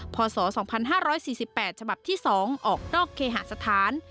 พศ๒๕๔๘ฉบับที่๒ออกนอกเคหาสถาน